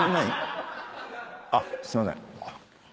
「あっすいません」